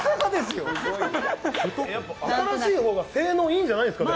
新しい方が性能いいんじゃないですか？